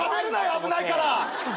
危ないから！